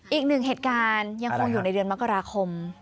อีกหนึ่งเหตุการณ์ยังคงอยู่ในเดือนมกราคม